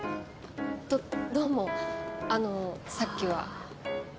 どどうもあのさっきは。